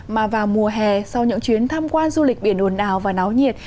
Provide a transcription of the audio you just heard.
mà vào mùa hè sau những chuyến tham quan du lịch biển ồn ào và náo nhiệt